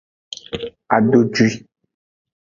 Adodwi.